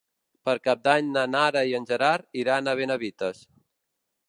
Per Cap d'Any na Nara i en Gerard iran a Benavites.